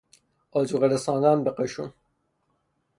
آذوقه رساندن به قشون